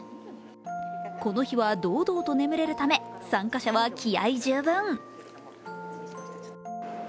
この日は堂々と眠れるため参加者は気合い十分。